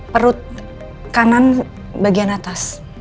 perut kanan bagian atas